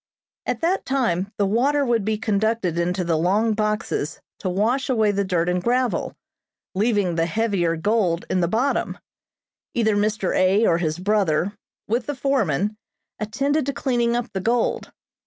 At that time the water would be conducted into the long boxes to wash away the dirt and gravel, leaving the heavier gold in the bottom. Either Mr. A. or his brother, with the foreman, attended to cleaning up the gold.